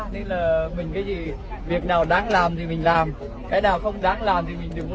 nên là mình cái gì việc nào đáng làm thì mình làm cái nào không đáng làm thì mình đừng có